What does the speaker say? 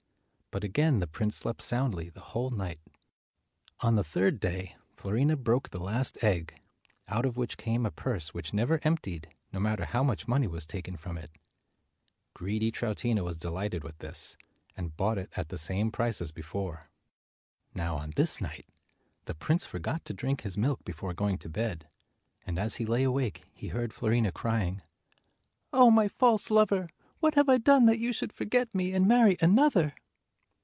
But again the prince slept soundly the whole night. On the third day, Fiorina broke the last egg, out of which came a purse which never emptied, no matter how much money was taken from it. Greedy Troutina was delighted with this, and bought it at the same price as before. Now on this night, the prince forgot to drink his milk before going to bed, and as he lay awake he heard Fiorina crying, "Oh, my false lover ! What have I done that you should forget me and marry another?"